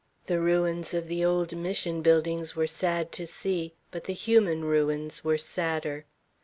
The ruins of the old Mission buildings were sad to see, but the human ruins were sadder.